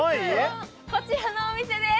こちらのお店です